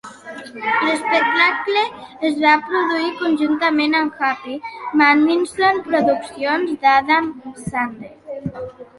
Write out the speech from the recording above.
L'espectacle es va produir conjuntament amb Happy Madison Productions d'Adam Sandler.